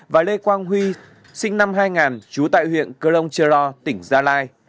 và lê quang huy sinh năm hai nghìn trú tại huyện cơ long trê lo tỉnh gia lai